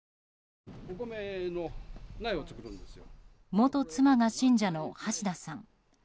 元妻が信者の橋田さん。